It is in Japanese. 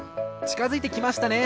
ちかづいてきましたね。